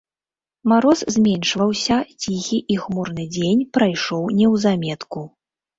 Мароз зменшваўся, ціхі і хмурны дзень прайшоў неўзаметку.